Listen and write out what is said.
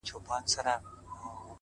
• په شپه کي ګرځي محتسب د بلاګانو سره,